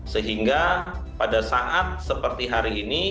sehingga pada saat seperti hari ini